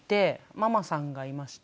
ママさんがいまして。